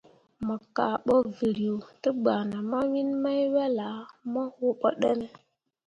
Mo kah bo vǝrǝǝ te gbana mawiin mai wel ah mo wobo ɗǝne ?